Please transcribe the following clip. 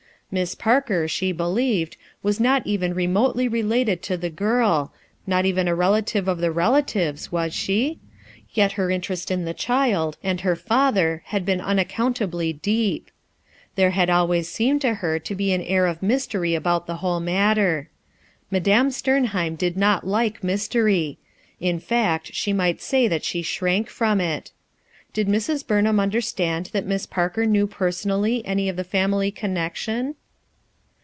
Misa Parker, she believed, was not even remotely related to the girl, not even a relative of the relatives — was she ? Yet her interest in the child and her father had been unaccountably deep. There had always seemed to her to be an air of mystery about the whole matter, Madame Sternheim 2G6 RUTH ERSKINE'S SOS did not like mystery; in fact she might Ray that she shrank from it Did Mrs, Liurnham mider stand that Mlii Parker knew personally any f the family connection?